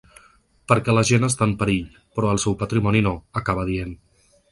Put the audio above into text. Perquè la gent està en perill, però el seu patrimoni no, acaba dient.